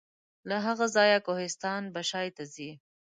له هغه ځایه کوهستان بشای ته ځي.